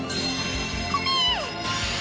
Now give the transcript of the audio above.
コメ！